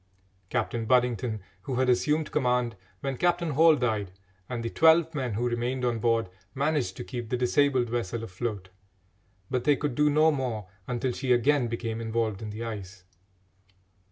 Captain Budington, who had assumed command when Captain Hall died, and the twelve men who remained on board, managed to keep the disabled vessel afloat, but they could do no more until she again became involved in the ice.